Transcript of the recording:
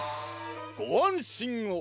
ごあんしんを！